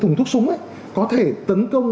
thùng thuốc súng ấy có thể tấn công